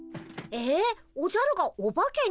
えっおじゃるがオバケに？